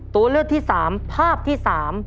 ตัวเลือกที่สามภาพที่สาม